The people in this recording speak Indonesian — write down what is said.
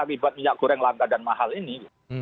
akibat minyak goreng langka dan mahal ini